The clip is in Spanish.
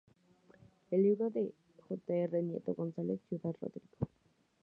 El libro de J. R. Nieto González: "Ciudad Rodrigo.